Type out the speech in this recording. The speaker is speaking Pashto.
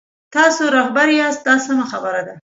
تاسو رهبر یاست دا سمه خبره ده.